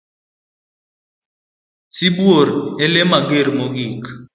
Sibuor e lee mager mogik.